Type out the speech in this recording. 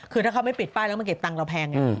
คือถ้าเขาไม่ปิดป้ายแล้วมาเก็บตังค์เราแพงไง